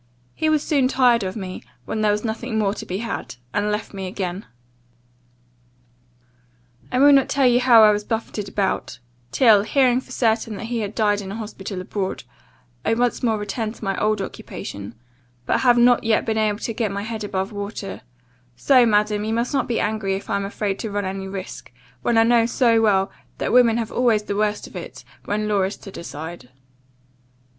He was soon tired of me, when there was nothing more to be had, and left me again. "I will not tell you how I was buffeted about, till, hearing for certain that he had died in an hospital abroad, I once more returned to my old occupation; but have not yet been able to get my head above water: so, madam, you must not be angry if I am afraid to run any risk, when I know so well, that women have always the worst of it, when law is to decide.